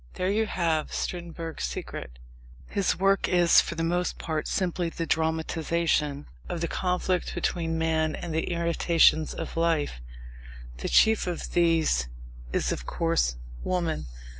There you have Strindberg's secret. His work is, for the most part, simply the dramatization of the conflict between man and the irritations of life. The chief of these is, of course, woman.